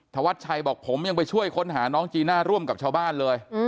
ธวัดชัยบอกผมยังไปช่วยค้นหาน้องจีน่าร่วมกับชาวบ้านเลย